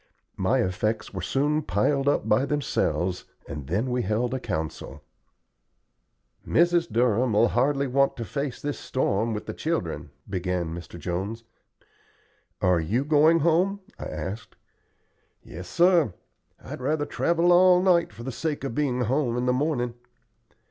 My effects were soon piled up by themselves, and then we held a council. "Mrs. Durham'll hardly want to face this storm with the children," began Mr. Jones. "Are you going home?" I asked. "Yes, sir. I'd rather travel all night for the sake of being home in the morning."